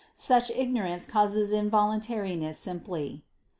Such ignorance causes involuntariness simply.